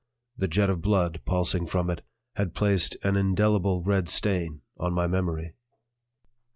The jet of blood pulsing from it had placed an indelible red stain on my memory.